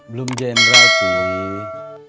belum jendral sih